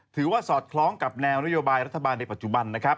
สอดคล้องกับแนวนโยบายรัฐบาลในปัจจุบันนะครับ